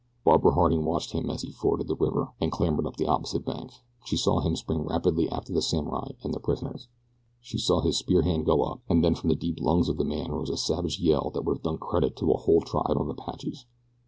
Barbara Harding watched him as be forded the river, and clambered up the opposite bank. She saw him spring rapidly after the samurai and their prisoners. She saw his spear hand go up, and then from the deep lungs of the man rose a savage yell that would have done credit to a whole tribe of Apaches.